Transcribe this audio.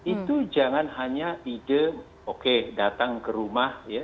itu jangan hanya ide oke datang ke rumah ya